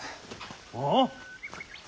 ああ？